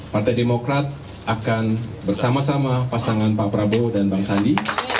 partai demokrat akan bersama sama pasangan pak prabowo dan bang sandi